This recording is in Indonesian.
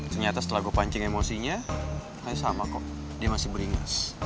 ternyata setelah gua pancing emosinya ya sama kok dia masih beringes